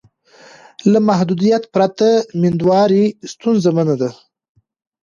له محدودیت پرته میندواري ستونزمنه وي.